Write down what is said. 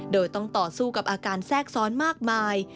โดยต้องต่อสู้กับอาการแทรกซ้อนมากมาย